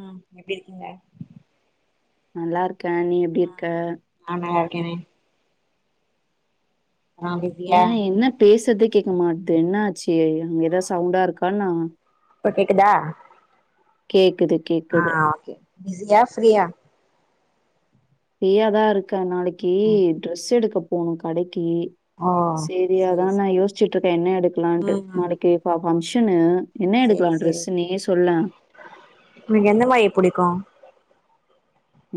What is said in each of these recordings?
ம் எப்டி இருக்கீங்க நல்லா இருக்கே நீ எப்டி ஆ இருக்க நா நல்லா இருக்கேனே ஆ பிஸியா ஏன் என்ன பேசர்தே கேக்க மாட்து என்ன ஆச்சு எங் ஏதாவது சவுண்டா இருக்கா ன்னா இப்ப கேக்குதா கேக்து ஆ ஓகே பிஸியா ஃப்ரியா ப்ரியாதா இருக்க நாளைக்கு ம் ட்ரெஸ் எடுக்க போணுங் கடைக்கி ஓ செரியதா சேரி நா சேரி யோசிச்சுட்டு இருக்கேன் என்ன எடுக்கலான்ட்டு ம் ம் நாளைக்கு இ பங்க்ஷனு ன்ன சேரி எடுக்கலா சேரி ட்ரெஸ்ஸு நீயே சொல்லே உனக்கு எந்த மாயி புடிக்கு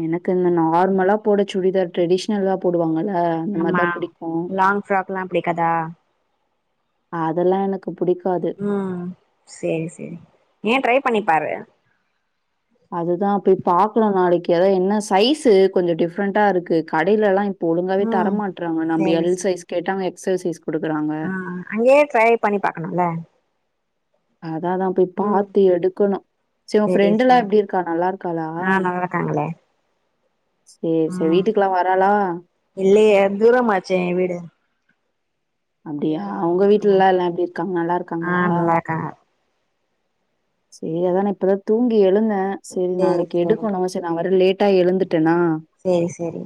எனக்கு இந்த நார்மலா போட சுடிதார் ட்ரெடிஷ்னலா போடுவாங்கல்ல அந்த மாரி ஆமா தான் புடிக்கும். லாங் ஃப்ராக்லா பிடிக்கதா அதெல்லா எனக்கு புடிக்காது ம் செரி செரி ஏன் ட்ரை பண்ணிப்பாரு அதுதா போய் பாக்கலா நாளைக்கு அதா ன்னா சைஸ்ஸு கொஞ்சோ டிஃப்ரெண்டா இருக்கு கடையிலல்லா ஒழுங்காவே தர ம் மாட்டறாங்க நம்ம சேரி எல் சேரி சைஸ் கேட்டா அங்க எக்ஸை சைஸ் குடுக்குறாங்க ஆ அங்கயே ட்ரை பண்ணி பாக்கலால்ல அதாதா போய் ம் பாத்து எடுக்கணு செரிஉன் சேரி ஃப்ரெண்டுல்லா எப்டி இருக்கா நல்லாருக்காளா காங்களே சரி ம் வீட்டுக்குலாம் வராளா? இல்லயே தூரமாச்சே என் வீடு அபி அப்படியா? வருவா உங்க வீட்லலாம் உ எல்லாம் எல்லாம் எப்படி இருக்காங்க? நல்லா இருக்காங்களா? ஆஹ் நல்லா இருக்காங்க சரி அதானா இப்பதா தூங்கி எழுந்தே சரி சேரி நாளைக்கு சேரி எடுக்கணு சரி நா வேற லேட்டா எழுந்துட்டனா சேரி செரி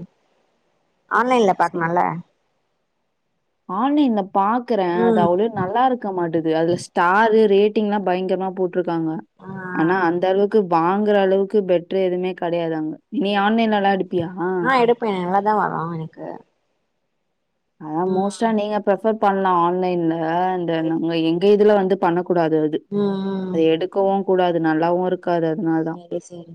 ஆன்லைன்ல சரி பாக்கலால்ல ஆன்லைன்ல பாக்குறே அது ம் அவ்ளோ நல்லா இருக் க மாட்டுது அதுல ஸ்டாரு ரேட்டிங்ல்லா பயங்கரமா போட்ருக்காங்க ஆ ஆனா அந்த அளவுக் க்கு வாங்குற அளவுக்கு பெட்ரே எதுவுமே கெடையாதாங் நீ ஆன்லைன்ல எல்லா எடுப்பியா இப்ப யெல்லாரு தா வராங் எனகு அ மோஸ்ட்டா நீங்க பிரஃபர் பண்லா ஆன்லைன்ல இந்த சேரி நங்க சேரி எங்க இதுல வந்துப் பண்ணக்கூடாது அது ம் ம் க்கவும் கூடாது நல்லாவு இருக்காது அதனால் தா சேரி சேரி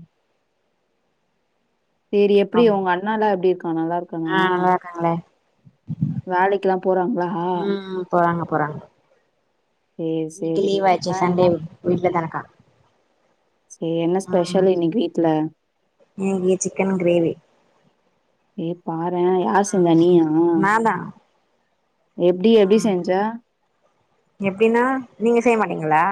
செரி எப்டி அம் உங்க அண்ணாலா எப்டிருக்கா நல்லா இருக்கானா காங்களே வேலைக்கெல்லா போறாங்ளா ம் போறாங்க போறாங்க சரி, இன்னைக்கு சரி. லீவாச்சே ஆ. சண்டே வீட்ல தான் இருக்கா சே என்ன ம் ஸ்பெஷல் இன்னைக்கு வீட்ல இன்னைக்கு சிக்கன் கிரேவி ஏ பாரே யார் ம் செஞ்சா நீயா நான்தா எப்டி எப்டி செஞ்ச எப்டினா நீங்க செய்ய மாட்டீங்ளா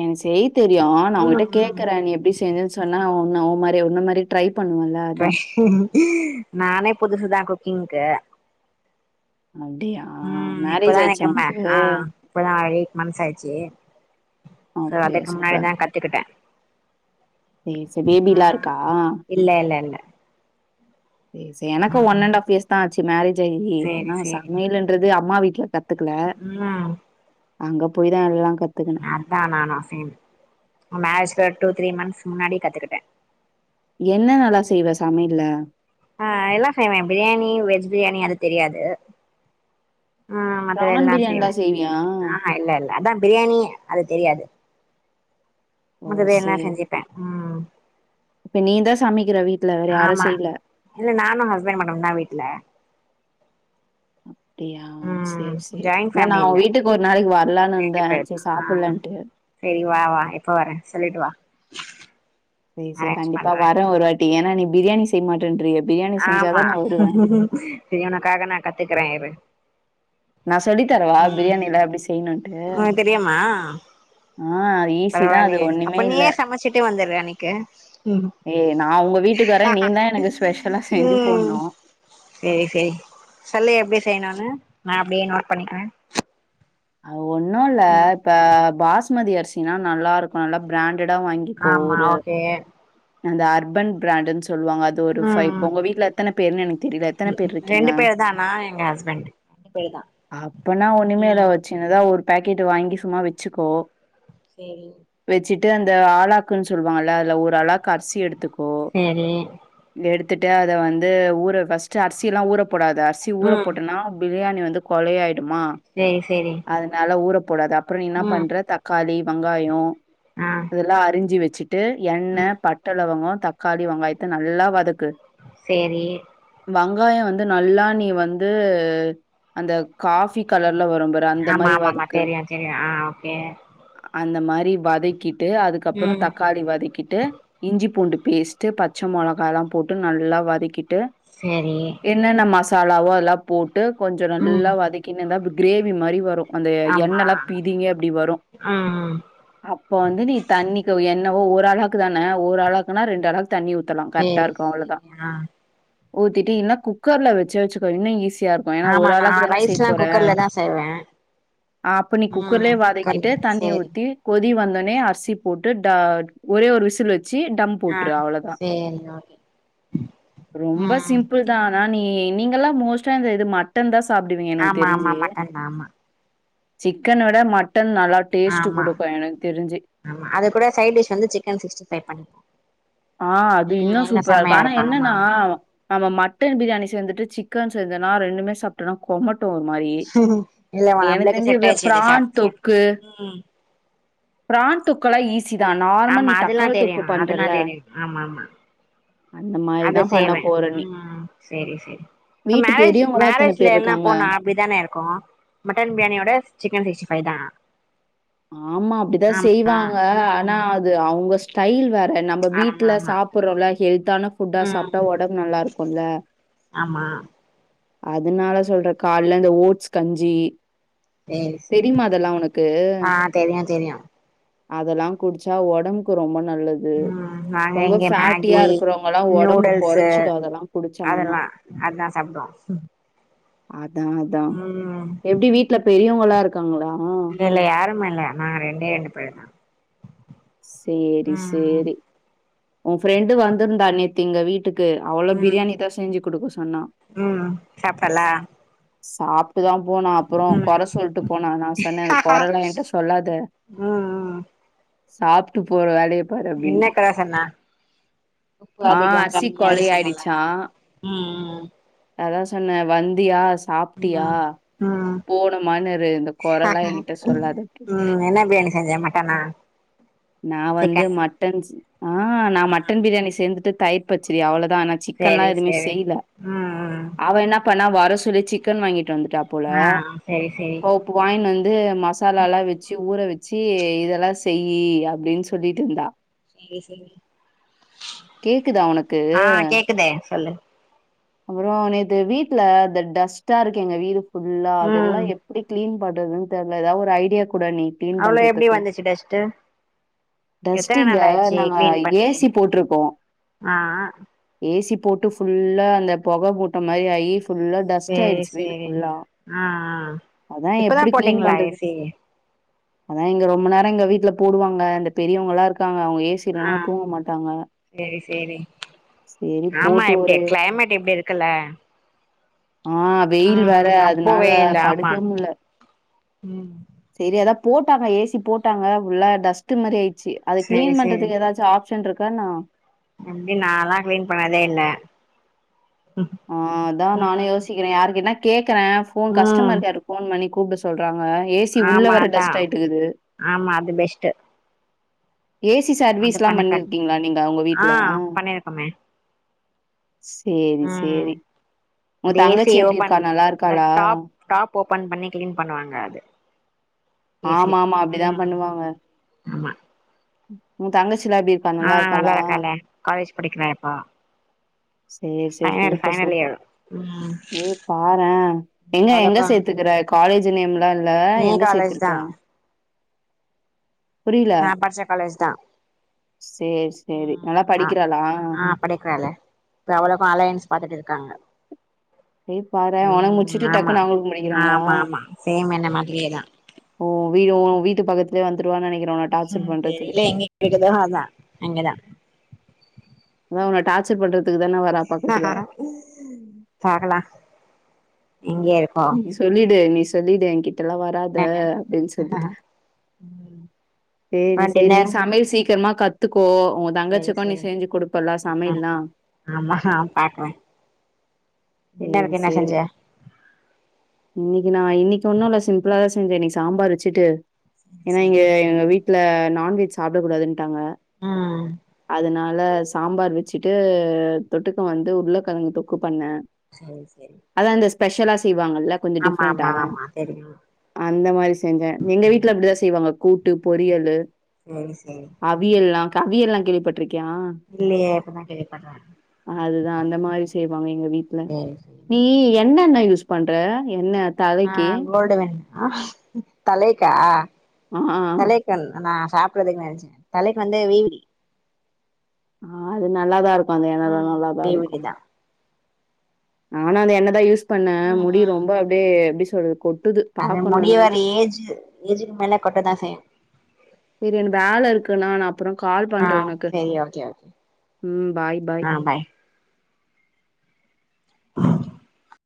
எனக் செய்ய தெரியு நா ம் உங்கிட்ட ம் கேக்குறே நீ எப்டி செஞ் சொன்னா நா ஒ ஒமாரி ஒன்ன மாரி ட்ரை பண்ணுவன்ல ட்ரை நானே புதுசுதா குக்கிங்க்கு அப்படியா? ம் மேரேஜ் இப்பதா ஆயிடுச்சா எனக்கே மே உனக்கு? ஆ இப்பதா எயிட் மந்த்ஸ் ஆச்சு சோ அப்படியா அதுக்கு முன்னாடி சூப்பர். தா கத்துக்கிட்டே சேரி சேரி பேபிலா ம் இருக்கா இல்ல இல்ல இல்ல சேர் சேரி எனக்கு ஒன் ம் அண்ட்டாஃப் இயர்ஸ் தா ஆச்சு மேரேஜ் ஆயி சேரி ஆனா சேரி சமையல்ன்றது அம்மா வீட்ல கத் துக்கல ம் அங்க போய் தா எல்லா கத்துக்கு அதா நானு சேம் மேரேஜ்ல ஒரு டூ த்ரீ மந்த்ஸ் முன்னாடியே கத்துக்கிட்டே என்ன நல்லா செய்வ சமையல்ல ஆ எல்லா செய்வே பிரியாணி வெஜ் பிரியாணி அது தெரியாது ஆ மத்தது பிரான் எல்லா செய்வே பிரியாணிலாம் செய்வியா? ஆ இல்ல இல்ல அதா பிரியாணி அது தெரியாது ஓ! மத்தது எல்லா சரி. செஞ்சுப்பே ம் இப்ப நீ தா சமைக்குற வீட்ல வேற யாரு ஆமா செய்ல இல்ல நானு ஹஸ்பண்ட்டு மட்டுந்தா வீட்ல டியா ம் சேரி சேரி ஜாயிண்ட் நா நா ஃபேமிலி ஒ இல்ல வீட்டுக்கு ஒரு நாளைக்கு வர்லான் இருந்தே சேரி சாப்புல்லான்ட்டு சேரி வா வா எப்ப வரே சொல்லிட்டு வா சேரி சே அரேஞ்ச் கண்டிப்பா பண்றே வரே ஒருவாட்டி ஏனா நீ பிரியாணி செய்ய மாட்டேன்றியே பிரியாணி செஞ்சாதா நா வருவே ம் சேரி ஒனக்காக நா கத்துக்குறே இரு நா சொல்லி தரவா ம் பிரியாணியலா எப்டி செய்யணுன்ட்டு உனக்கு தெரியுமா ஆ ஈஸி தா அது பரவாயில்லையே அப்ப ஒன்னுமே இல்ல நீயே சமைச்சிட்டு வந்துரு அன்னைக்கு ஏ நா ஒங்க வீட்டுக்கு வரே நீ தா எனக்கு ஸ்பெஷலா செஞ்சு ம் போட்னு சேரி சேரி சொல்லு எப்டி செய்ணுனு நா அப்டியே நோட் பண்ணிக்குறே அது ஒன்னு இல்ல ம் இப்ப பாஸ்மதி அரிசினா நல்லாருக்கு நல்லா பிராண்டடா வாங்கி கோ ஆமா ஒரு ஓகே அந்த அர்பன் பிராண்ட்டுன் சொல்வாங்க அது ஒரு ஃபை ம் இப்ப ஒங்க வீட்ல எத்தன பேருனு எனக்கு தெரில எத்தன ம் பேர் இருக்கீங்க ரெண்டு பேர் தா நா எங்க ஹஸ்பண்ட் ரெண்டு பேர் தா அப்பனா ஒன்னுமே ம் இல ஒ சின்னதா ஒரு பேக்கெட் வாங்கி சும்மா வச்சுக்கோ சேரி வெச்சுட்டு அந்த ஆளாக்குனு சொல்வாங்கல்ல அதுல ஒரு ஆளாக்கு அரிசி எடுத்துக்கோ சேரி எடுத்துட்டு அத வந்து ஊற ஃபஸ்ட்டு அர்சில்லா ஊற போடாத அர்சி ஊற ம் போட்டனா பிரியாணி வந்து கொலை ஆயிடுமா சேரி சேரி அதனால ஊற போடாத அப்றோ என்ன ம் பண்ற தக்காளி வெங்காயோ ஆ அதெல்லா அரிஞ்சு வச்சிட்டு எண்ண பட்ட லவங்கோ தக்காளி வெங்காயத்த நல்லா வதக்கு சேரி வெங்காயோ வந்து நல்லா நீ வந்து அந்த காஃபி கலர்ல வரும் ப ஆமாமாமா தெரியு தெரியு ஆ ஓகே அந்த மாரி வதக்கிட்டு அதுக்கப்பறோ ம் தக்காளி வதக்கிட்டு இஞ்சி பூண்டு பேஸ்ட்டு பச்ச மொளகாலா போட்டு நல்லா வதக்கிட்டு சேரி என்னென்ன மசாலாவோ அதெலா போட்டு கொஞ்சொ ம் நல்லா வதக்னிருந்தா கிரேவி மாறி வரு அந்த ஆமா எண்ணெலா பிதிங்கி அப்டி வரு ம் அப்ப வந்து நீ தண்ணிக்கு என்னவோ ஒரு ஆழாக்கு தான ஒரு ஆழாக்குனா ரெண்டு அழாக் தண்ணி ஊத்தலா கர்ட்டா சேரி இருக்கு சேரி அவ்ளோதா ஆ ஊத்திட்டு இன்னு குக்கர்ல வச்ச வச்சுக்கோ இன்னு ஈஸியா இருக் ஆமா நா ரைஸ் லா குக்கர்லதா செய்வே அப்ப நீ ம் குக்கர்லயே குக்கர்ல வதக்கிட்டு தண்ணிய சேரி ஊத்தி கொதி வந்தோனே அரிசி போட்டு ட ஒரே ஒரு விசில் வச்சு டம் ஆ போட்ரு அவ்ளோதா சேரி ஓகே ரொம்ப ம் சிம்பிள் ட்டா ஆனா நீ நீங்கல்லா மோஸ்ட்டா இந்த இது மட்டன் தா சாப்டுவீங்க எனக்கு ஆமா ஆமா தெரிஞ்சு மட்டன் ஆமா சிக்கன விட மட்டன் நல்லா டேஸ்ட் ஆமா குடுக்கு எனக்கு தெரிஞ்சு ஆமா அது கூட சை டிஷ் வந்து சிக்கன் சிக்ஸ்டிஃபை ப ஆ அது இன்னு சூப்பரா இருக்கு ஆனா ஆமா என்னன்னா ஆமா நாம மட்டன் பிரியாணி செஞ்சுட்டு சிக்கன் செஞ்சனா ரெண்டுமே சாப்ட்டோனா கொமட்டு ஒரு மாரி இல்லமா எனக்கு நம்ளுக்கு தெரிஞ்சு இந்த செட்டாயிருச்சு இத பிரான் சாப்ட்டு தொக்கு சாப்ட்டு பிரான் தொக்கல்லா ஈஸிதா நார்மல் ஆமா நீ அதெல்லா தக்காளி தெரியு தொக்கு பண்றேல அதெல்லா தெரியு ஆமா ஆமா அத செய்வே நீ ம் சேரி சேரி இப்ப வீட்டு மேரேஜூ பெரியவங்களா எத்தன பேர் மேரேஜ்லலா இருக்காங்க? போனா இப்டி தான இருக்கு மட்டன் பிரியாணியோட சிக்கன் சிக்ஸ்டி ஃபை தா ஆமா அப்டிதா ஆமா செய்வாங்க ஆனா ம் அது அவுங்க ஸ் டைல் வேற நம்ப ஆமா வீட்ல ஆமா சாப்பறோல ஹெல்த்தான ஃபுட்டா ம் சாப்ட்டா ஒடம்பு நல்லா இருக்குல ஆமா அதுனால சொல்ற கால்ல இந்த ஓட்ஸ் கஞ்சி சேரி சேரி தெரிமா அதெல்லா ஒனக்கு ஆ தெரியு தெரியு அதெல்லா குட்ச்சா ஒடம்புக்கு ரொம்ப நல்லது ம் நாங்க ரொம்ப இங்க ஃபேட்டியா மேகி இருக்கறவங்க எல்லா ஒடம்பு நூடுல்ஸு கொறச்சிடு அதெலா குடிச்சாங்கன்னா அதெல்லா அதா சாப்ட்டோ அதா அதா எப்டி வீட்ல பெரியவங்களா இருக்காங்ளா இல்ல இல்ல யாரும் இல்ல நாங்க ரெண்டே ரெண்டு பேர் தா சேரி ம் சேரி உ ஃப்ரெண்டு வந்திருந்தா நேத்து எங்க வீட்டுக் கு அவளு ம் பிரியாணி தா செஞ்சு குடுக்க சொன்னா ம் சாப்ட்டலா சாப் ட்டு தா போனா. அப்பொறொ ம் கொற சொல்ட்டு போனா. நா சொன்னே இந்த கொற எல்லா ஏன்ட்ட சொல்லாத அ சாப்ட்டு போற வேலெய என்ன கொற சொன்னா உப்பு ஆ அதிகோ அசி கம்மி அது சொன்னாலா ம் ம் ம் அதா சொன்னே வந்தியா சாப்ட்டியா ம் ம் ம் போனமானு இரு இந்த கொறலா என்கிட்ட சொல்லாத ம் என்ன பிரியாணி செஞ்ச மட்டனா நா வந்து சிக்கன் மட்டன்ஸ் ஆஹ் நா மட்டன் பிரியாணி சேந்துட்டு தயிர்பச்சடி அவ்ளோதா ஆனா சிக்கன்லா சேரி எதுமே சேரி செய்ல ம் ம் அவ என்ன பண்ணா வர சொல்லி சிக்கன் வாங்கிட்டு வந்துட்டா போல ஆ சேரி சேரி போ வாங்கினு வந்து ந்து மசாலாலா வெச்சு ஊற வெச்சு இதெல்லா செய் அப்டினு சொல்லிட்டு இருந்தா சேரி சேரி ச் கேக்குதா உனக்கு? ஆ கேக்குது சொல்லு அப்பறோ நேத்து வீட்ல இந்த டஸ்ட்டா இருக்கு எங்க வீடு ஃபுல்லா அதெல்லா ம் எப் எப்பிடி க்ளீன் பண்றதுன்னு தெர்ல எதா ஒரு ஐடியா கூடே நீ அவ்வளோ எப்டி வந்துச்சு டஸ்ட்டு எத்தன டஸ்ட்டிங்க நாள் ஆயிச்சு நாங்க கிளீன் ஏ பண்ணி சி போட்ருக்கோ ஆ ஏ சி போட்டு ஃபுல்லா அந்த புகொ போட்ட மாரி ஆயி ஃபுல்லா டஸ்ட் சேரி ஆயிடுச்சு வீடு சேரி ஃபுல்லா ஆ ஆ அதா இப்பதா எப்பிடி க்ளீன் போட்டீங்களா பண்றது ஏசி அதா இங்க ரொம்ப நேரோ எங்க வீட்ல போடுவாங்க இந்த பெரியவங்கெல்லா இருக்காங்க அவ்ங்க ஏசி ஆ இல்லன்னா தூங்க மாட்டாங்க. செரி செரி சரி ஆமா போட்டு எப் ஒரு க்ளைமேட் எப்பிடி இரு க்கல ஆ வெயில் வேற ரொம்ப அதுனால வெயில் ஆமா படுக்வே முட்ல ம் செரி அதா போட்டாங்க ஏ சி போட்டாங்க உள்ள டஸ்ட்டு மாரி ஆயிடிச்சி அது சேரி க்ளீன் பண்றதுக்கு ஏதாச்சு ஆப் ஆப்சென்ட்ருக்காயென்னா இப்டி நா லா க்ளீன் பண்ணதே இல்ல ஆ அதா நானு ம் யோசிக்கிறே யாருக்கு என்ன கேக்குறே போன் ம் கஸ்டமர் கேர் போன் பண்ணி கூப்ட சொல்றாங்க ஏ சி உள்ள ஆமா வேர அதா டஸ்ட் ஆயிட்டு இருகுது ஆமா அது பெஸ்ட்டு ஏ சி அது சர்வீஸெல்லா பண்ணிப்பாரு பண்ணிர்க்கீங்களா நீங்க உங்க ஆ வீட்ல பண்ணிருக்கோமே சேரி ம் சேரி உங்க அது ஏசி தங்கச்சி எப்டி ஓபன் இருக்கா நல்லா அது இருக்காளா டாப் டாப் ஓபன் பண்ணி க்ளீன் பண்ணுவாங்க ஏசி ஆமா ஆமா அப்டிதா ம் பண்ணுவாங்க ஆமா ஊ தங்கச்சில்லா எப்டி ஆ நல்லா இருக்காலே காலேஜ் படிக்கிறா இப்போ சேர் சேரி final super final super year ம் ஏ பாறே எங்க எங்க அவளுக்கு சேத்துக்கற காலேஜ் நேம்ல்லா இல்ல நீ எங்க காலேஜ் தா சேத்திருக்க நா பட்ச்ச காலேஜ் தா சேரி சேரி நல்லா ம் ஆ படிக்கிறாளா ஆ படிக்கிறாலே இப்ப அவ்வளுக்கு அலயன்ஸ் பாத்துட்டு இருக்காங்க ஏய் பாரேன் உனக்கு ம் முடிச்சுட்டு ஆமாஆமா டக்குன்னு அவங்களுக்கும் படிக்கிறாங்களா? ஆமா சேம் என்ன மாரியேதா ஊ வீடு ஊ வீட்டு பக்கத்துலயே வந்துடுவானு நெனக்கிறே உன்ன டார்ச்சர் பண்றதுகு கேக்குதா அதா அங்கதா அதா உன்ன டார்ச்சர் பண்றதுக்கு தான வர ஹ ஹ ஹ பாக்கலா இங்கயே இருக்கு நீ சொல்லீடு நீ சொல்லீடு என் கிட்டெல்லா வராத என்னன்னு அப்டின்னு சொல்லீடு ம் சேரி அப்றோ சேரி நீ டின்னர் சமையல் சீக்கிரமா கத்துக்கோ உன் சேரி தங்கச்சிக்கு நீ சேரி செஞ்சு குடுப்பேல ம் சமையல்லா ஆமா டின்ருக்கு என்ன செஞ்ச இன்னிக்கு நான் இன்னிக்கு ஒன்னு இல்ல சிம்பிளாதா செஞ்சே இன்னிக்கு சாம்பார் வச்சுட்டு சேரி ஏன்னா சேரி இங்க எங்க வீட்டு ட்ல நான்வெஜ் சாப்ட கூடாதுன்ட்டாங்க உ அதுனால சாம்பார் வச்சுட்டு தொட்டுக்க வந்து உருளக்கெழங்கு தொக்கு பண்ணே சேரி சேரி அதா இந்த ஸ்பெஷலா செய்வாங்கல்ல கொஞ்சோ ஆமா டிஃப்ரெண்டா ஆமா ஆமா தெரியு அந்த மாரி செஞ்சே எங்க ம் வீட்டுல அப்டிதா செய்வாங்க கூட்டு பொரியலு சேரி சேரி அவியல்லா கவியல் லா கேள்விப்பட்ருக்கியா இல்லயே இப்பதா கேள்வி பட்ற அதுதா அந்த மாரி செய்வாங்க எங்க வீட்ல சேரி சேரி நீ என்ன எண்ணெ யூஸ் பண்ற எண்ணெ ஆ கோல்டுவின் தலைக்கா ஆ ஆ கண் நா சாப்பிறதுக்கு நெனைச்சே தலைக்கு வந்து வீவிலி ஆ அது நல்லாதா இருக்கு அந்த எண்ணலா நல்லாதா இருக்கு பேபிக்கு தா நானு அந்த எண்ணெதா யூஸ் பண்ணே முடி ரொம்ப அப்டே எப்டி சொல்றது கொட்டுது அது மொடி வர பாக்கணும்னான்ட்டு. ஏஜ்ஜு ஏஜுக்கு மேலே கொட்ட தா செய்யு சேரி என் வேல இருக்கு நான் அப்புரோ கால் பண்றே உனக்கு செரி ஓகே ஓகே ம் பாய் பாய் [inaudible]